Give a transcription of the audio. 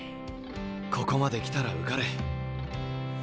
ここまで来たら受かれ。